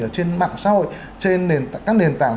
ở trên mạng xã hội trên các nền tảng